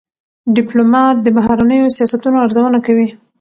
ډيپلومات د بهرنیو سیاستونو ارزونه کوي.